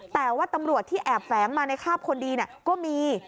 แต่ว่าตำรวจที่แอบแฝงมาในคาบคนดีก็มี